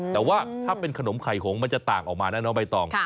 แต่ว่าถ้าเป็นขนมไข่หงมันจะต่างออกมานะน้องใบตอง